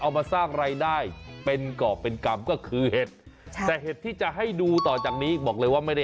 มาสร้างรายได้เป็นกรอบเป็นกรรมก็คือเห็ดใช่แต่เห็ดที่จะให้ดูต่อจากนี้บอกเลยว่าไม่ได้